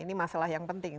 ini masalah yang penting